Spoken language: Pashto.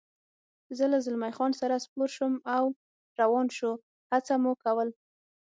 زه له زلمی خان سره سپور شوم او روان شو، هڅه مو کول.